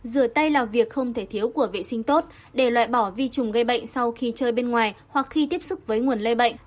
rửa tay là việc không thể thiếu của vệ sinh tốt để loại bỏ vi trùng gây bệnh sau khi chơi bên ngoài hoặc khi tiếp xúc với nguồn lây bệnh